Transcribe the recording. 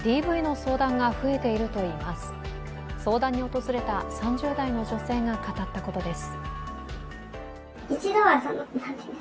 相談に訪れた３０代の女性が語ったことです。